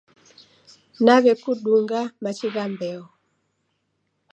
Naw'ekudunga machi gha mbeo.